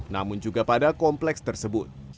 namun juga pada kompleks tersebut